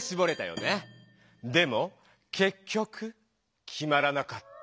でもけっきょくきまらなかった。